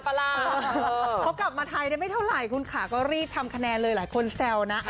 เขากลับมาไทยได้ไม่เท่าไหร่คุณค่ะก็รีบทำคะแนนเลยหลายคนแซวนะ